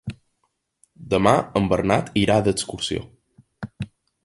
Demà en Bernat irà d'excursió.